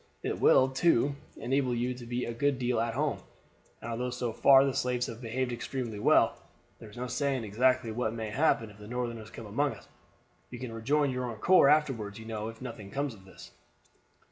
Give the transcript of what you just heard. It will, too, enable you to be a good deal at home; and although so far the slaves have behaved extremely well, there is no saying exactly what may happen if the Northerners come among us. You can rejoin your own corps afterward, you know, if nothing comes of this."